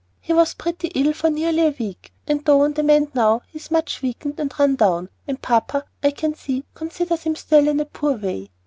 He was pretty ill for nearly a week; and though on the mend now, he is much weakened and run down, and papa, I can see, considers him still in a poor way.